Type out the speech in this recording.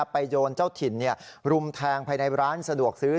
โยนเจ้าถิ่นรุมแทงภายในร้านสะดวกซื้อ